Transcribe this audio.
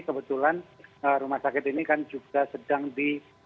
kebetulan rumah sakit ini kan juga sedang di